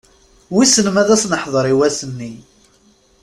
Wissen ma ad as-neḥder i wass-nni.